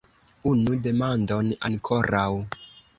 Unu demandon ankoraŭ.